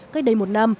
cách đây một năm